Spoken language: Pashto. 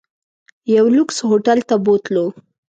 یو لوکس هوټل ته بوتلو.